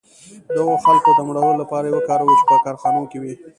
د هغو خلکو د مړولو لپاره یې وکاروي چې په کارخانو کې وو